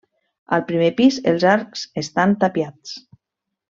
Al primer pis els arcs estan tapiats.